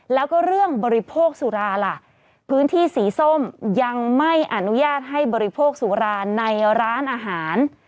แล้วก็เรื่องบริโภคสุราล่ะพื้นที่สีส้มยังไม่อนุญาตให้บริโภคสุราในร้านอาหาร